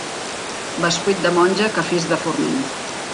Bescuit de monja, cafís de forment.